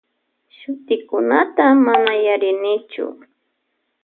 Shutikunata mana yarinichu.